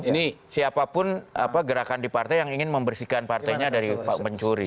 ini siapapun gerakan di partai yang ingin membersihkan partainya dari pak mencuri